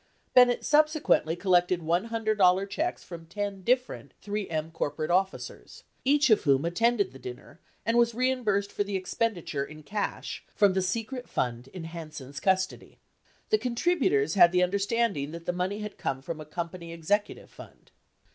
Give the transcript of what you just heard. Bennett subsequently collected $100 checks from ten different 3 M corporate officers, each of whom attended the dinner and was reimbursed for the expenditure in cash from the secret fund in Hansen's custody. The contributors had the understanding that the money had come from a company executive fund.